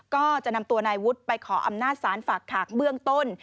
ก็จะนำตัวนายวุฒิไปขออำนาจศาลฝากขากเบื้องต้น